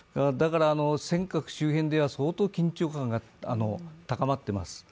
尖閣周辺では相当緊張感が高まっています。